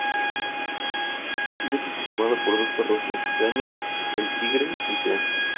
El municipio está conformado por dos parroquias, Caño El Tigre y Zea.